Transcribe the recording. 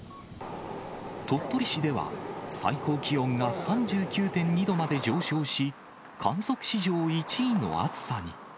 鳥取市では、最高気温が３９．２度まで上昇し、観測史上１位の暑さに。